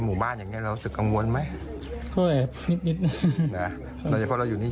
หมู่บ้านอย่างเงี้เรารู้สึกกังวลไหมก็นิดนิดหนึ่งนะโดยเฉพาะเราอยู่นี่